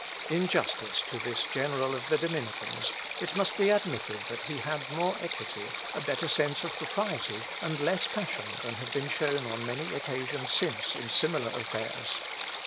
In justice to this general of the Dominicans, it must be admitted that he had more equity, a better sense of propriety, and less passion, than have been shown on many occasions since, in similar affairs.